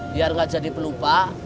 biar gak jadi pelupa